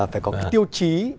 phải có cái tiêu chí